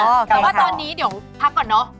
แต่ว่าตอนนี้เดี๋ยวพักก่อนเนอะ